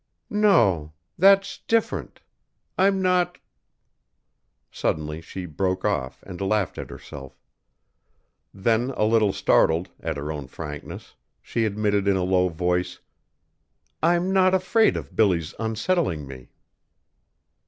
"No. That's different.... I'm not " Suddenly she broke off and laughed at herself. Then a little startled, at her own frankness, she admitted in a low voice, "I'm not afraid of Billy's unsettling me."